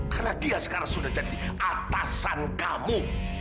karena dia sekarang sudah jadi atasan kamu